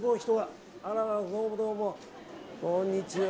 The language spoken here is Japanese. こんにちは。